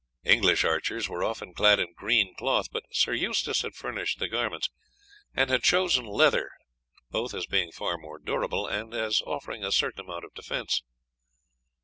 English archers were often clad in green cloth, but Sir Eustace had furnished the garments, and had chosen leather, both as being far more durable, and as offering a certain amount of defence.